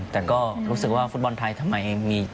แต่ก็รู้สึกว่าฟุตบอลไทยทำไมมี